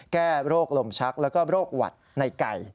แก้โรคลมชักแล้วก็โรคหวัดในไก่